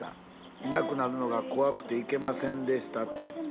「いなくなるのが怖くて行けませんでしたって」